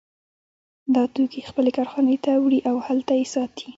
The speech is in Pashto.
دا توکي خپلې کارخانې ته وړي او هلته یې ساتي